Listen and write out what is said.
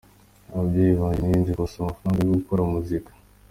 Ababyeyi banjye nirinze kubasaba amafaranga yo gukora muzika.